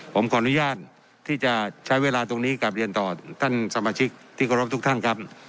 ผมขออนุญาตที่จะใช้เวลาตรงนี้กลับเรียนต่อท่านสมาชิกที่เคารพทุกท่านครับ